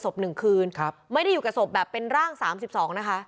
หนึ่งคืนครับไม่ได้อยู่กับศพแบบเป็นร่างสามสิบสองนะคะ